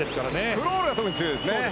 クロールが特に強いですね。